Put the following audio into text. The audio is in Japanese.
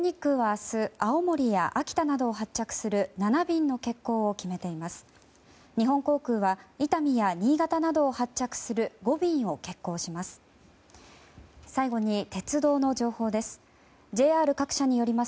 日本航空は伊丹や新潟などを発着する５便を欠航します。